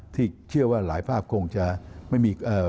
ที่เชื่อว่าหลายภาพคงจะไม่มี